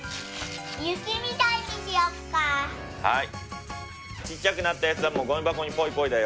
はい！